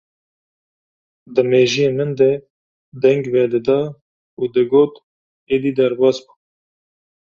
di mêjiyê min de deng vedida û digot: Êdî derbas bû!